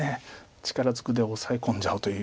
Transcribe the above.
力づくで押さえ込んじゃおうというような。